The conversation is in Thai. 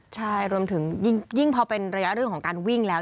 ใช่รวมถึงยิ่งพอเป็นระยะเรื่องของการวิ่งแล้ว